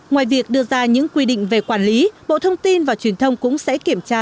ngoài việc đưa ra những quy định về quản lý bộ thông tin và truyền thông cũng sẽ kiểm tra